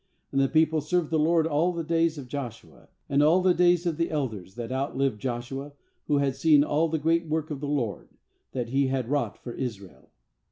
7And the people served the LORD all the days of Joshua, and all the days of the elders that out lived Joshua, who had seen all the great work of the LORD, that He had wrought for Israel.